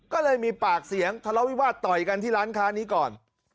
ก็เลยมีปากเสียงทะเลาวิวาสต่อยกันที่ร้านค้านี้ก่อน